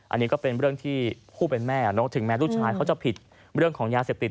อันนี้ก็เป็นเรื่องที่ผู้เป็นแม่ถึงแม้ลูกชายเขาจะผิดเรื่องของยาเสพติด